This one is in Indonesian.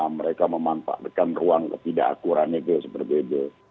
mereka memanfaatkan ruang ketidakakuran itu seperti itu